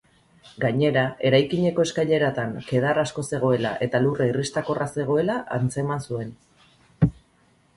Gainera, eraikineko eskaileratan kedar asko zegoela eta lurra irristakorra zegoela antzeman zuen.